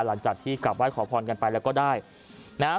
หลังจากที่กลับไห้ขอพรกันไปแล้วก็ได้นะฮะ